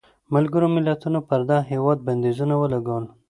ملګرو ملتونو پر دغه هېواد بندیزونه ولګول.